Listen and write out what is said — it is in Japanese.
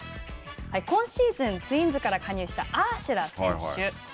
今シーズン、ツインズから加入したアーシェラ選手。